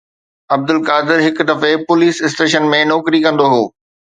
عبدالقادر هڪ دفعي police station ۾ نوڪري ڪندو هو